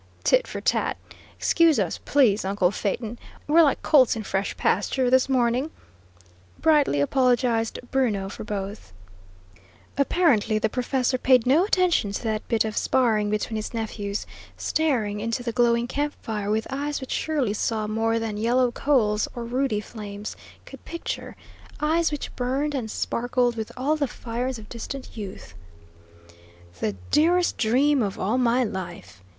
"Tit for tat. Excuse us, please, uncle Phaeton. We're like colts in fresh pasture, this morning," brightly apologised Bruno, for both. Apparently the professor paid no attention to that bit of sparring between his nephews, staring into the glowing camp fire with eyes which surely saw more than yellow coals or ruddy flames could picture; eyes which burned and sparkled with all the fires of distant youth. "The dearest dream of all my life!"